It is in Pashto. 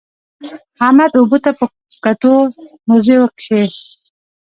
احمد اوبو ته په کتو؛ موزې وکښې.